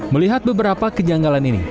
melihat beberapa kenyanggalan ini